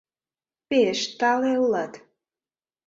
Пеш тале улат!